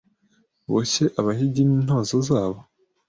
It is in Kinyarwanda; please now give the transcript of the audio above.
Boshye abahigi n' intozo zabo